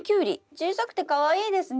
小さくてかわいいですね。